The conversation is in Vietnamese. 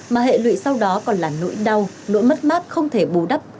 mà hệ lụy sau đó còn là nỗi đau nỗi mất mát không thể bù đắp